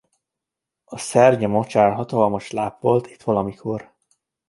A Szernye-mocsár hatalmas láp volt itt valamikor.